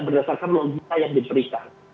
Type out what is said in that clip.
berdasarkan logika yang diberikan